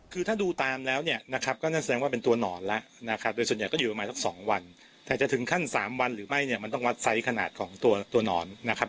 คือถ้าดูตามแล้วเนี่ยนะครับก็นั่นแสดงว่าเป็นตัวหนอนแล้วนะครับโดยส่วนใหญ่ก็อยู่ประมาณสัก๒วันแต่จะถึงขั้น๓วันหรือไม่เนี่ยมันต้องวัดไซส์ขนาดของตัวหนอนนะครับ